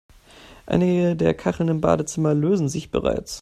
Einige der Kacheln im Badezimmer lösen sich bereits.